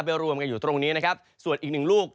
รวมกันอยู่ตรงนี้นะครับส่วนอีกหนึ่งลูก